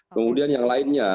kemudian yang lainnya